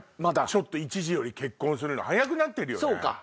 ちょっと一時より結婚するの早くなってるよね。